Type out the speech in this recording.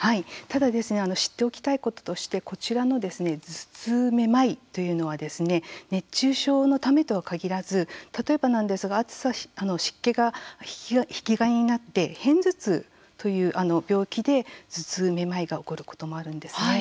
ただ知っておきたいこととして頭痛、めまいというのは熱中症のためとは限らず例えばなんですが暑さ、湿気が引き金になって片頭痛という病気で頭痛、めまいが起こることもあるんですね。